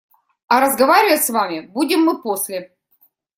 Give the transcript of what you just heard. А разговаривать с вами будем мы после.